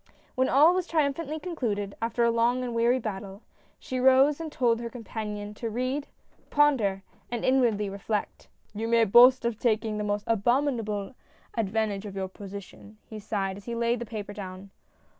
When all was triumphantly concluded — after a long and weary battle — she rose and told her companion to read, ponder and inwardly reflect. " You may boast of taking the most abominable advantage of your position," he sighed, as he laid the paper down.